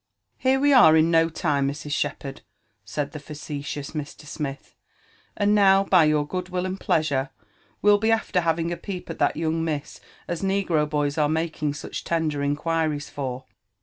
'* Here we are in no time, Mrs. Shepherd," said the facetious Mr. Smith, and now, by y5ur good will and pleasure, we'll beafter having a peep at that young Miss as negro boys are making such tender in quiries for."